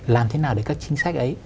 làm thế nào để các chính sách ấy